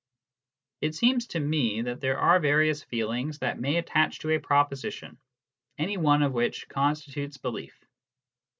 It seems to me that there are various feelings that may attach to a proposition, any one of which constitutes belief.